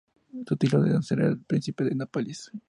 Su título al nacer era de Príncipe de Nápoles.